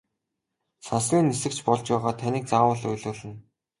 Сансрын нисэгч болж байгаад таныг заавал уйлуулна!